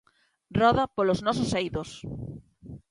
Roda polos nosos eidos!